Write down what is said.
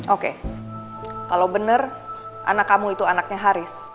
oke kalau benar anak kamu itu anaknya haris